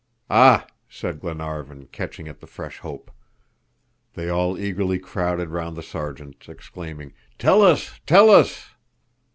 "Ah!" said Glenarvan, catching at the fresh hope. They all eagerly crowded round the Sergeant, exclaiming, "Tell us, tell us."